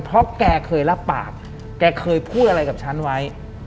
เพราะแกเคยรับปากแกเคยพูดอะไรกับฉันไว้